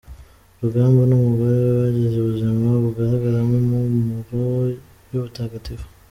Rugamba n’umugore we bagize ubuzima bugaragaramo impumuro y’ubutagatifu.